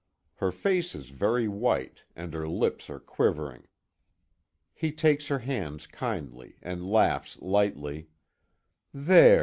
Her face is very white, and her lips are quivering. He takes her hands kindly, and laughs lightly: "There!